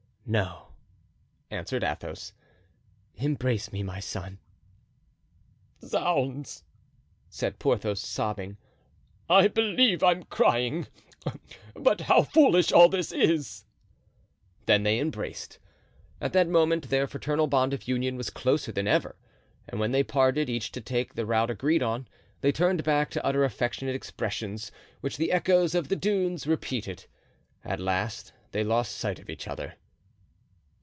"No," answered Athos; "embrace me, my son." "Zounds!" said Porthos, sobbing, "I believe I'm crying; but how foolish all this is!" Then they embraced. At that moment their fraternal bond of union was closer than ever, and when they parted, each to take the route agreed on, they turned back to utter affectionate expressions, which the echoes of the Dunes repeated. At last they lost sight of each other.